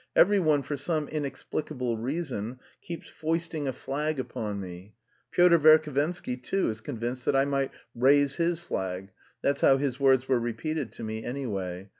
"Every one for some inexplicable reason keeps foisting a flag upon me. Pyotr Verhovensky, too, is convinced that I might 'raise his flag,' that's how his words were repeated to me, anyway.